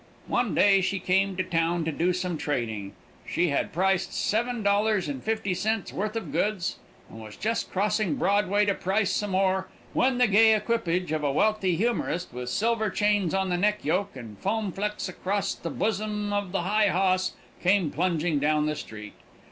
One day she came to town to do some trading. She had priced seven dollars and fifty cents' worth of goods, and was just crossing Broadway to price some more, when the gay equipage of a wealthy humorist, with silver chains on the neck yoke and foam flecks acrost the bosom of the nigh hoss, came plunging down the street.